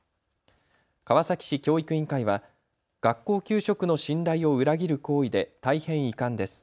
川崎市教育委員会は学校給食の信頼を裏切る行為で大変遺憾です。